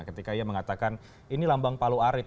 ketika ia mengatakan ini lambang palu arit